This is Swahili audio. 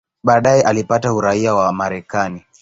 Baadaye alipata uraia wa Marekani.